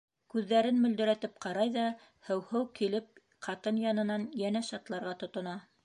Күҙҙәрен мөлдөрәтеп ҡарай ҙа, «һеү-һеү» килеп ҡатын янынан йәнәш атларға тотона.